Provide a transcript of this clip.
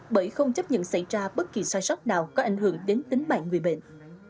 bởi không chấp nhận xảy ra bất kỳ sai sóc nào có ảnh hưởng đến tính bại người bệnh